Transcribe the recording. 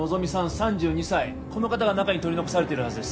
３２歳この方が中に取り残されてるはずです